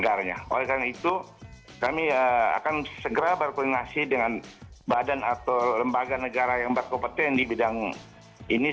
ke daerahnya atau ke negaranya oleh karena itu kami akan segera berkoordinasi dengan badan atau lembaga negara yang berkompetensi di bidang ini